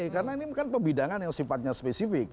karena ini bukan pebidangan yang sifatnya spesifik